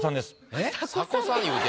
えっ